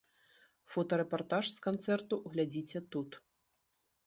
Фотарэпартаж з канцэрту глядзіце тут!